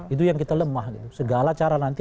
itu yang kita lemah segala cara nanti